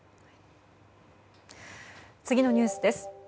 次のニュースです。